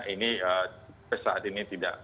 ini saat ini tidak